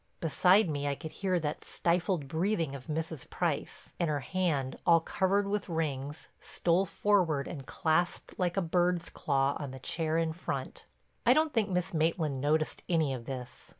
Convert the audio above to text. Beside me I could hear that stifled breathing of Mrs. Price, and her hand, all covered with rings, stole forward and clasped like a bird's claw on the chair in front. I don't think Miss Maitland noticed any of this.